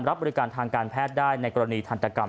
รับบริการทางการแพทย์ได้ในกรณีทันตกรรม